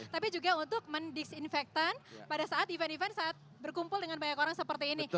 tapi juga untuk mendisinfektan pada saat event event saat berkumpul dengan banyak orang seperti ini